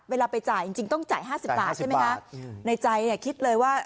เวลาไปจ่ายจริงจริงต้องจ่าย๕๐บาทใช่ไหมคะในใจเนี่ยคิดเลยว่า